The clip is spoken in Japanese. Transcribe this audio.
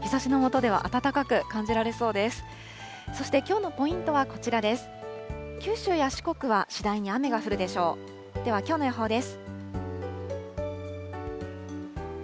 では、きょうの予報です。